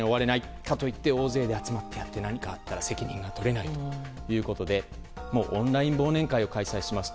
かといって大勢でやって何かあったら責任はとれないということでオンライン忘年会を開催しますと。